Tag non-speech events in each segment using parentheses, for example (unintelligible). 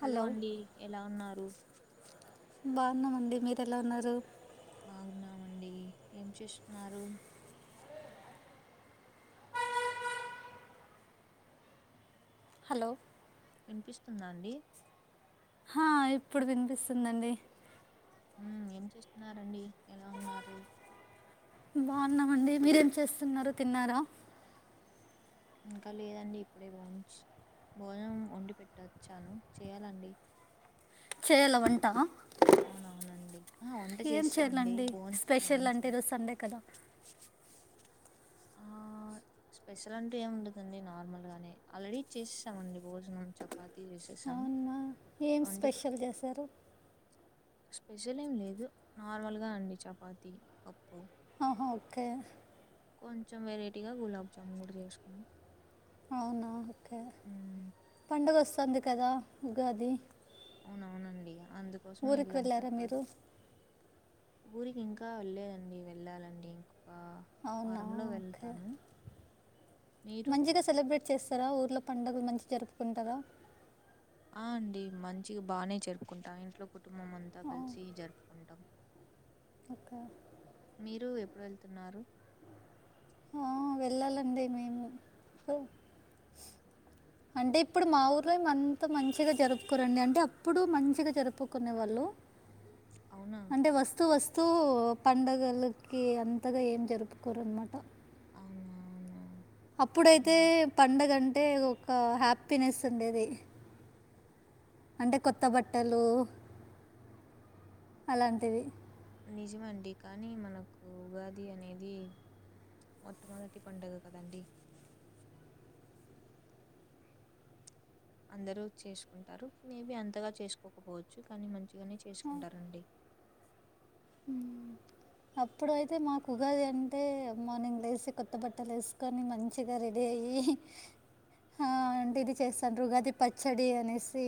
Hello అండి ఎలా ఉన్నారు బాగున్నామండి మీర ఎలా ఉన్నారు బాగున్నామండి ఏం చేస్తున్నారు హలో వినిపిస్తుందా అండి హ ఇప్పుడు వినిపిస్తుందండి ఉ ఏం చేస్తున్నండి ఎలా ఉన్నారు బాగున్నామండి మీరేం చేస్తున్నారు తిన్నారా ఇంకా లేదండి ఇప్పుడే భోచి భోజనం వండి పెట్టొచ్చాను చేయాలండి చేయల వంటా అవునవునండి ఆ వంట చేస్తా అండి చేయాలండి బోన్ స్పెషల్ అంటే ఈరోజు సండే కదా స్పెషల్ అంటే ఏము ఉండదండి నార్మల్ గానే ఆల్రెడీ చేసేసామండి భోజనం చపాతి చేసేసాం అవునా ఏం వండి పె స్పెషల్ చేశారు స్పెషల్ ఏం లేదు నార్మల్గా అండి చపాతి పప్పు ఆహా ఓకే కొంచెం వెరైటీగా గులాబ్ జామున్ కూడా చేసుకున్నాం అవునా ఓకే హ్మ్. పండగ వస్తుంది కదా ఉగాది అవునవునండి అందుకోసమే ఊరికి ఇల్లంతా వెళ్ళారా కా మీరు ఊరికి ఇంకా వెళ్లేదండి వెళ్ళాలండి అవునా వారంలో ఓకే వెళ్తాను. మీరు? మంచిగా సెలబ్రేట్ చేసి తరా ఊర్లో పండుగలు మంచిగా జరుపుకుంటారా హా అండి మంచి బాగానే జరుపుకుంటాం ఇంట్లో కుటుంబం అంతా కలిసి జరుపుకుంటాం అకా మీరు ఎప్పుడు వెళ్తున్నారు ఆ వెళ్ళాలండి మేము అంటే ఇప్పుడు మా ఊర్లో ఏమ అంత మంచిగా జరుపుకోరండి అంటే అప్పుడు మంచిగా జరుపుకునే వాళ్ళు అవునా? అంటే వస్తు వస్తు తూ పండుగలకి అంతగా ఏం జరుపుకోరున్నమాట అవునవునా! అప్పుడైతే హ్మ్. పండగ అంటే ఒక హ్యాపీనెస్ ఉండేది అంటే కొత్త బట్టలు అలాంటివి నిజమండి కానీ మనకు ఉగాది అనేది మొట్టమొదటి పండుగ కదండి అందరూ చేసుకుంటారు మేబి అంతగా చేసుకోకపోవచ్చు కానీ మంచి ఇవన్న చేసుకుంటారండి ఉ అప్పుడు అయితే మాకు ఉగాది అంటే మార్నింగ్ లేసి కొత్త బట్టలు వేసుకొని మంచిగా డేయి ఆ అంటే ఇది చేస్తాను ఉగాది పచ్చడి అనేసి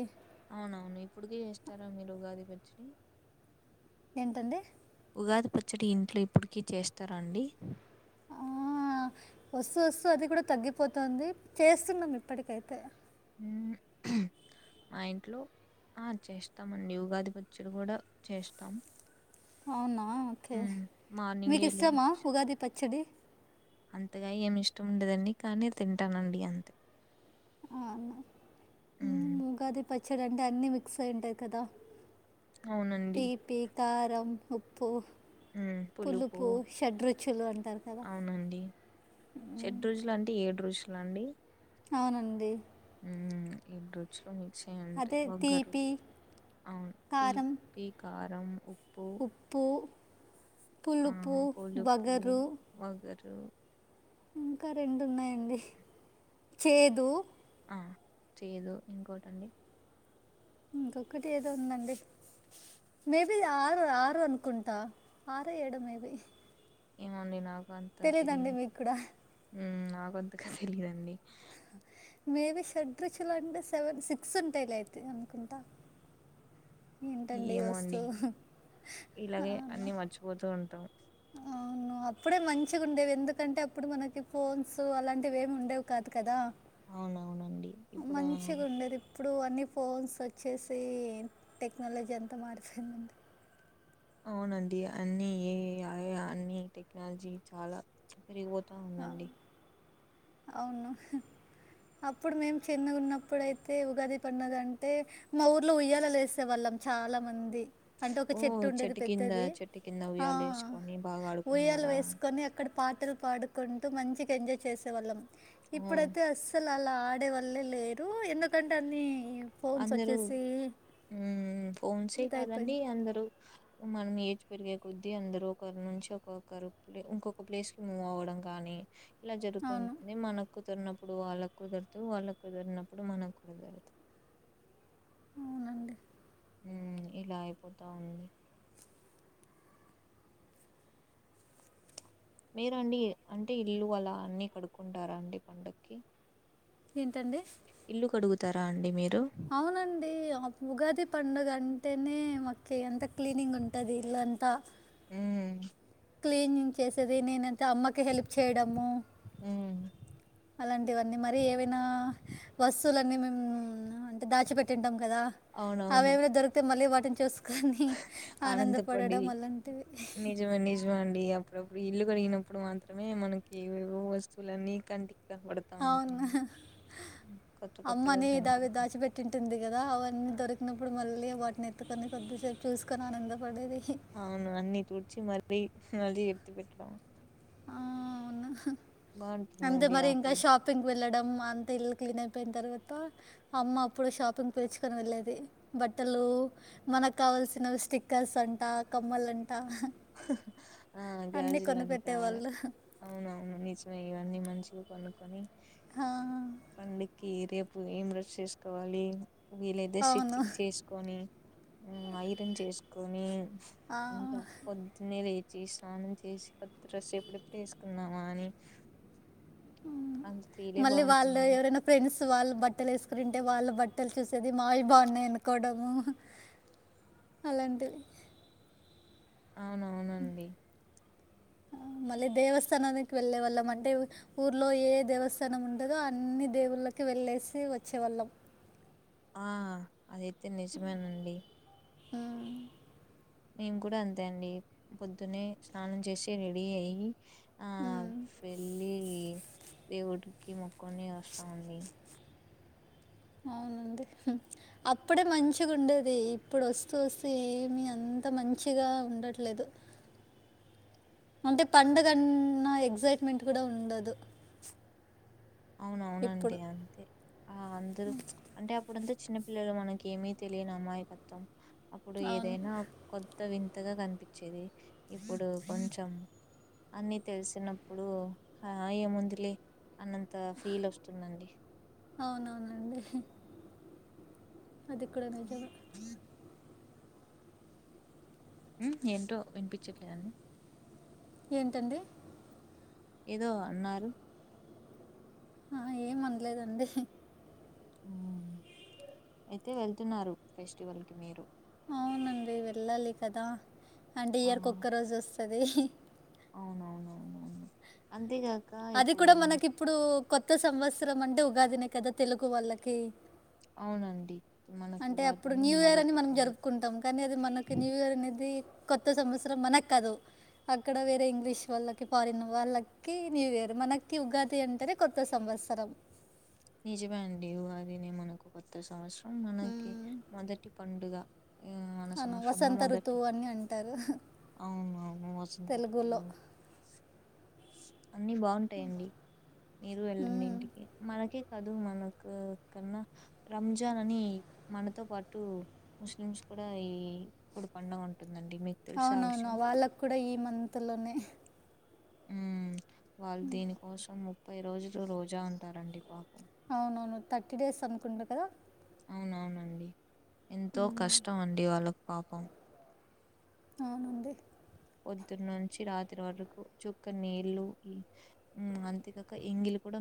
అవునవును ఇప్పుడుకి చేస్తార మీరు ఉగాది పచ్చడి ఏంటండి ఉగాది పచ్చడి ఇంట్లో ఇప్పటికీ చేస్తారాండి ఆ వస్తుూ వస్తుూ అది కూడా తగ్గిపోతుంది చేస్తున్నాం ఇప్పటికైతే ఉ మా ఇంట్లో ఆ చేస్తామండి ఉగాది పచ్చడి కూడా చేస్తాం అవునా ఓకే హ్మ్ మీకు మార్నింగే లే ఇస్తమా ఉగాది పచ్చడి అంతగా ఏమి ఇష్టం ఉండేదండి కానీ తింటానండి అంతే అవునా హ్మ్ ఉగాది పచ్చడి అంటే అన్ని మిక్స్ అయ్యి ఉంటాయి కదా అవునండి. తీపి కారం ఉప్పు పులుపు షడ్రుచులు అంటారు కదా షడ్ రోజులు అంటే ఏడు రుచులా అండి అవునండి ఉమ్ ఏంట మిక్స్ అయి ఉంటాయి అదే ఒగరు తీపి అవును కారం తీపి కారం ఉప్పు, ఉప్పు ఆ పులుపు ఒగరు టో ఇంకా రెండు ఉన్నాయండి చేదు చేదు ఇంకోటి అండి ఇంకొకటి ఏదో ఉందండి మేబి ఆరు ఆరు అనుకుంటా ఆరు ఏడు మేబి ఏమో అండి నాకు అంత గా తెలియదు కూడా నాకంతగా తెలీదండి మేబీ షడ్ రుచులు అంటే సెవెన్ సిక్స్ ఉంటాయి లేయితే అనుకుంటా ఏంటండి ఈ ఏమోండి వస్తువు ఇలాగే అన్ని మర్చిపోతూ ఉంటాం ఆ ఆ అప్పుడే మంచిగా ఉండేవి ఎందుకంటే అప్పుడు మనకి ఫోన్స్ అలాంటివి ఏమి ఉండేవి కాదు కదా అవునవునండి ఇప్పుడు ఆ మంచిగా ఉండేది ఇప్పుడు అన్నీ ఫోన్స్ వచ్చేసి టెక్నాలజీ అంతా మారిపోయిందండి అవునండి అన్నిఏ అన్నిటెక్నాలజీ చాలా పెరిగిపోతూ ఉందండి అవును అప్పుడు మేము చిన్నగా ఉన్నప్పుడుయితే ఉగాది పండగ అంటే మా ఊర్లో ఉయ్యాల లేసే వాళ్ళం చాలా మంది అంటే ఒక ఓ చెట్టు ఉండేది కింద పెద్దది చెట్టు కింద ఆ ఉయ్యాలేసుకొని బాగా ఉయ్యాల ఆడుకునేవారా వేసుకొని అక్కడ పాటలు పాడుకుంటూ మంచిగా ఎంజాయ్ చేసేవాళ్ళం ఓ ఇప్పుడైతే అస్సలు అలా ఆడే వాళ్లే లేరు ఎందుకంటే అన్ని ఫోన్స్ అందరూ వచ్చేసి ఫోన్ సే కాదండి ఇదైపోయింది అందరూ మనం ఏజ్ పెరిగే కొద్దీ అందరు ఒకరి నుంచి ఒక్కొక్కరు లే ఇంకొక ప్లేస్ కి మూవ్ అవ్వడం కాని ఇలా అవును జరుగుతుంటుంది మనం కుదుర్నప్పుడు వాళ్లకు కుదరదు వాళ్ళకు కుదిరినప్పుడు మనకుదరదు అవునండి ఇలా అయిపోతా ఉంది మీరండి అంటే ఇల్లు అలా అన్ని కడుక్కుంటారా అండి పండక్కి ఎంత అండి తరా అండి మీరు అవునండి ఆపు ఉగాది పండుగ అ తేనే మాకి ఎంత క్లీనింగ్ ఉంటది ఇల్లంతా హూ క్లీనింగ్ చేసేది నేనంత అమ్మకి హెల్ప్ చేయడము హ అలాంటివన్నీ మరి ఏవైనా వస్తువులన్నీ మేము అంటే దాచిపెట్టింటాం కదా అవేవైనా దొరికితే మళ్ళీ వాటిని చూసు ఆనందపడి అలాంటివి నిజమే నిజమాండి అప్పుడప్పుడు ఇల్లు కరిగినప్పుడు మాత్రమే మనకి ఏవేవో వస్తువులన్నీ కంటి అవునా కొత్త కొత్తగా అమ్మనే దావి కనపడతా దాచిపెట్టు ఉంటుంది కదా అవన్నీ దొరికినప్పుడు మళ్ళీ వాటిని అందుకని కొద్దిసేపు చూసుకొని ఆనందపడేది అవును అన్ని తుడ్చి మరి మళ్ళీ ఎత్తి పెట్టడం ఆ అవున అంతే బాగుంటుందండి మరి ఆ ఇంకా ఫీల్ షాపింగ్కి వెళ్ళడం మా అంత ఇల్లు క్లీన్ అయిపోయిన తర్వాత అమ్మ అప్పుడు షాపింగ్ పిలుచుకొని వెళ్లేేది బట్టలు మనకు కావల్సినవి స్టిక్కర్స్ అంట కమ్మలం ట ఆ అన్ని గాజులంట కొనిపెట్టేవాళ్ళు అవునవును నిజమే ఇవన్నీ మంచిగా కొనుక్కొని ఆ, పండక్ కి రేపు ఏం డ్రెస్ వేసుకోవాలి వీలైతే అవును స్టిచ్చింగ్ చేసుకొని ఉమ్ ఐరన్ చేసుకొని ఆ ద్దున్నే లేచి స్నానం చేసి కొత్త డ్రెస్సు ఎప్పుడెప్పుడు ఎసుకుందామా అని మ్ అంత ఫీలే మళ్ళీ వాళ్ళు బాగుంటుందండి ఎవరైనా ఫ్రెండ్స్ త్ వాళ్ళు బట్టలు వేసుకునింటే వాళ్ళ బట్టలు చూసేది మావి బాగున్నాయి అనుకోవడము అలాంటివి అవునవునండి ఆ మళ్ళీ దేవస్థానానికి వెళ్ళే వాళ్ళం అంటే ఊర్లో ఏ దేవస్థానం ఉంటదో అన్ని దేవుళ ళ్ళకి వెళ్ళేసి వచ్చేవాళ్ళం ఆ అదైతే నిజమేనండి ఆ మేము కూడా అంతే అండి పొద్దునే స్నానం చేసి రెడీ అయ్యి ఆ ఉమ్ వెళ్ళి దేవుడికి మొక్కొని వస్తామండి అవునండి అప్పుడే మంచిగా ఉండేది ఇప్పుడు వస్తూ వస్తూ ఏమి అం అంత మంచిగా ఉండట్లేదు అంటే పండగన్నా ఎక్సైట్మెంట్ కూడా ఉండదు అవునవునండి ఇప్పుడు అంతే ఆ అందరు అంటే అప్ అప్పుడంతా చిన్న పిల్లలు మనకి ఏమీ తెలియని అమాయకత్వం అప్పుడు అవును ఏదైనా కొత్త వింత కొత్తగా కనిపించేది ఇప్పుడు కొంచెం అన్ని తెలిసినప్పుడు ఆ ఏముందిలే అన్నంత అంత ఫీల్ వస్తుందండి అవునవునండి అది ఇక్కడ నిజమే ఉమ్ ఏంటో వినిపించట్లేదండి ఏంటండి ఏదో అన్నారు ఆ ఏం అనలేదండి ఉమ్ అయితే వెళ్తున్నారు ఫెస్టివల్ కి మీరు అవునండి వెళ్ళాలి కదా అంటే ఆ! ఇయర్కు ఒక్క రోజు వస్తది అవునవునవునవును అంతేగాక అది ఇప్పుడు కూడా మనకి ఇప్పుడు కొత్త సంవత్సరం అంటే ఉగాదినే కదా తెలుగు వాళ్ళకి అవునండి మనకు అంటే అప్పుడు ఉగాదినే న్యూ ఇయర్ అని మొదటి మనం పండుగ. జరుపుకుంటాం కానీ అది మనకి న్యూ ఇయర్ అనేది కొత్త సంవత్సరం మనక్కాదు అక్కడ వేరే ఇంగ్లీష్ వాళ్ళకి ఫారిన్ వాళ్ళకి న్యూ ఇయర్ మనకి ఉగాది అంటేనే కొత్త సంవ వసరం నిజమే అండి ఉగాదినే మనకు కొత్త సంవత్సరం మనకి మొదటి పండుగ ఆ, మన అవును వసంత ఋతువు అని అంటారు అవునవును వసంత తెలుగులో ఋతువు అన్ని బాగుంటాయండి మీరు వెళ్ళండి మ్మ్. ఇంటికి మనకి కాదు మనకు కన్నా రంజాన్ అని మనతో పాటు ముస్లిమ్స్ కూడా ఈ ఇప్పుడు పండగ ఉంటుంది అవునవును వాళ్ళకు కూడా ఈ మంత్ లోనే ఉమ్ వాళ్ళు దీని కోసం ముప్పై రోజులు రోజా ఉంటారండి పాపం అవునవును థర్టీ డేస్ అనుకుంట కదా అవునవునండి ఎంతో కష్టం అండి వాళ్ళకు పాపం అవునండి పొద్దున్న నుంచి రాత్రి వరకు చుక్క నీళ్లు అంతేగాక ఇంగిలి కూడా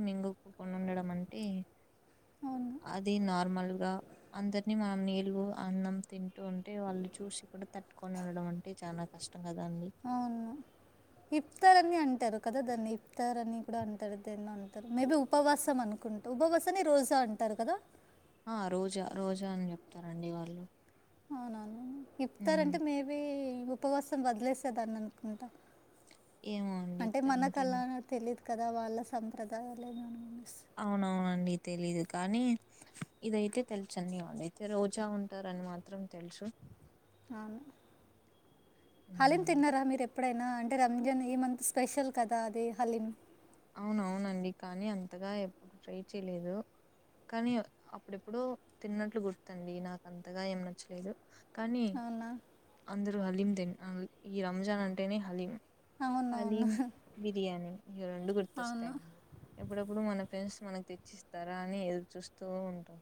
అవును అ న (unintelligible) గా అందరినీ మనం నిల్వు అన్నం తింటూ ఉంటే వాళ్ళు చూసి కూడా తట్టుకొని ఉండడం అంటే చాలా కష్టం కదా అండి అవును ఇప్తారని అంటారు కదా దాన్ని ఇప్తారని కూడా అంటారు దేన్నో అంటారు మేబీ ఉపవాసం అనుకుంటా ఉపవాసాన్ని రోజా అంటారు కదా ఆ రోజా రోజా అని చెప్తారండి వాళ్ళు అవునవును ఇప్తారంటే ఉమ్, మేబీ ఉపవాసం వదిలేసేదాన్నీ అనుకుంటా ఏమో అండి అంటే ఇస్తారంటే మనకలా నాకు తెలీదు కదా వాళ్ళ సంప్రదాయాల ఏమని అవునవునండి తెలీదు కానీ ఇదయితే తెలుచండి అయితే రోజా ఉంటారు ని మాత్రం తెలుసు అవును హాలిం ఉమ్, తిన్నారా మీరు ఎ ఎప్పుడైనా అంటే రంజన్ ఈ మంత్ స్పెషల్ కదా అది హలీం అవునవునండి కానీ అంతగా ఎప్పుడు ట్రై చేయలేదు కానీ అప్పుడెప్పుడో తిన్నట్లు గుర్తుంది నాకు అంతగా ఏం నచ్చలేదు కానీ అవునా అందరూ హలీం తిం ఈ రంజాన్ అంటేనే హలీం అవునవును అలీం బిర్యానీ ఇవి రెండు అవును గుర్తొస్తాయిండి ఎప్పుడెప్పుడు మన ఫ్రెండ్స్ మనకు తెచ్చిస్తారా అని ఎదురు చూస్తూ ఉంటాం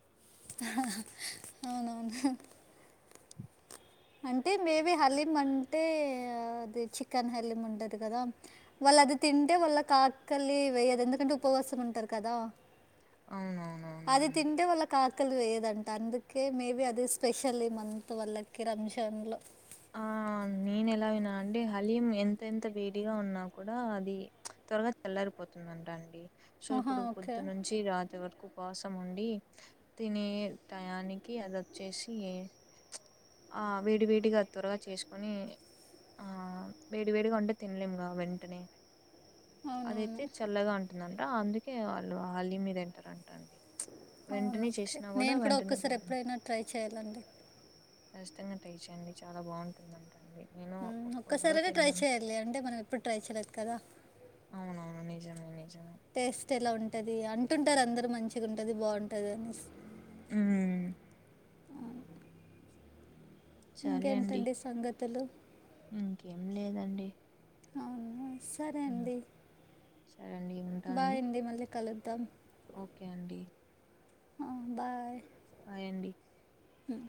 హహహ అవునవును హహ అంటే మేబీ హలీం అంటే అది చికెన్ హలీం ఉంటది కదా వాళ్ అది తింటే వాళ్ళ కాకలి వేయదు ఎందుకంటే ఉపవాసం ఉంటారు కదా అవునవునవునవును క్కలి వేయదంట అందుకే మేబి అది స్పెషల్లీ మంత్ వల్లకి కి రంజాన్లో ఆ నేను ఎలా విన్నా అంటే హలీం ఎంత ఎంత బేటిగా ఉన్నా కూడా అది త్వరగా చల్ రిపోతుందింటాండి సో ఆహా! ఇప్పుడు ఓకే. పొద్దు నుంచి రాత్ర వర ఉపాసం ఉండి తినే టయానికి అద చ్చేసి ఆ వేడి వేడిగా త్వరగా చేసుకు కొని ఆ వేడి వేడిగా ఉంటే తినలేముగా వెంటనే అవునవును. అదైతే చల్లగా ఉంటుందంట అందుకే వాళ్ళు హల్లీ మె దింటారంటండి అవును. వెంటనే ఓకే. చేసినా గుడా నేను కూడా వెంటనే ఒక్కసారి ఎప్పుడైనా ట్రై చేయాలండి. తంగ ట్రై చేయండి చాలా బాగుంటుందంటండి ఒక్కసారిైన ట్రై చెయ్యాలి అంటే మనం ఎప్పుడు ట్రై చెయలేదు కదా అవునవును నిజమే నిజమే టేస్ట్ ఎలా ఉంటది అంటుంటారు అందరు మంచిగా ఉంటది బాగుంటది అనే మ్ సరే అండి ఇంకేంటండి సంగతులు ఇంకేం లేదండి అవును సరే ఉమ్ అండి సరే అండి ఉంటా అండి బాగుడి మళ్ళీ కలుద్దాం ఓకే అండి ఆ బాయ్ బాయండి హ్మ్